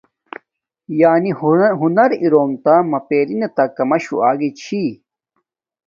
یانی ہنز اروم تہ ما پریناتہ کاماشوہ آگی چھی